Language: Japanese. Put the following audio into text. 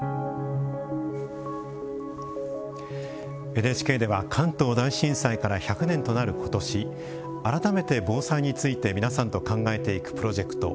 ＮＨＫでは関東大震災から１００年となる今年改めて防災について皆さんと考えていくプロジェクト